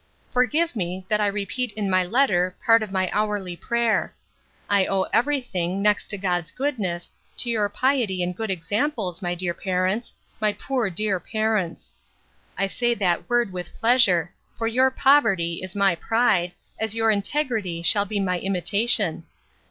Forgive me, that I repeat in my letter part of my hourly prayer. I owe every thing, next to God's goodness, to your piety and good examples, my dear parents, my dear poor parents! I say that word with pleasure; for your poverty is my pride, as your integrity shall be my imitation.